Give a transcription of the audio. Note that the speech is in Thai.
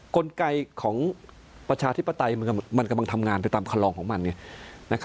กลไกของประชาธิปไตยมันกำลังทำงานไปตามคำลองของมัน